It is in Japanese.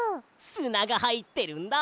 すながはいってるんだ！